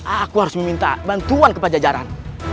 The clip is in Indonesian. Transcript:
aku harus meminta bantuan kepada jajaran